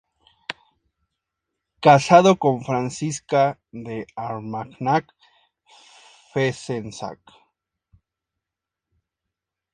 Casado con Francisca d´Armagnac-Fezensac.